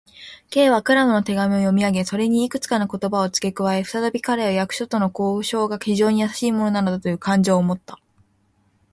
Ｋ はクラムの手紙を読みあげ、それにいくつかの言葉をつけ加えた。ふたたび彼は、役所との交渉が非常にやさしいものなのだという感情をもった。